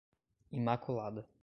Imaculada